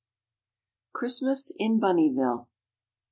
CHRISTMAS IN BUNNYVILLE.